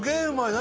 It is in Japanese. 何？